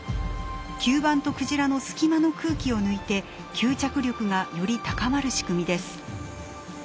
吸盤とクジラの隙間の空気を抜いて吸着力がより高まる仕組みです。